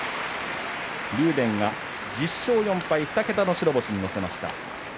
竜電が１０勝４敗２桁の白星に乗せました。